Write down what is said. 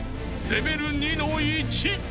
［レベル２の１］